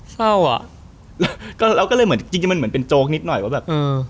เศร้าอ่ะแล้วก็เราก็เลยเหมือนจริงจริงมันเหมือนเป็นโจ๊กนิดหน่อยว่าแบบเออ